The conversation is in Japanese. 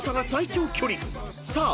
［さあ